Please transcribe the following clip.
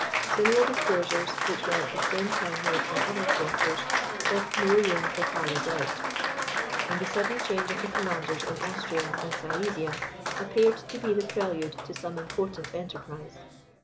Similar disclosures, which were at the same time made from other quarters, left no room for farther doubt; and the sudden change of the commanders in Austria and Silesia, appeared to be the prelude to some important enterprise.